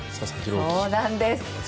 そうなんです。